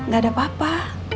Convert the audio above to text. gak ada apa apa